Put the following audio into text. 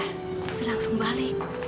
sudah langsung balik